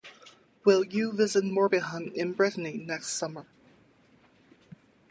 Will you visit Morbihan in Brittany next summer?